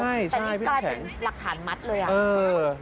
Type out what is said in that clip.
แต่นี่กลายเป็นหลักฐานมัดเลยอ่ะ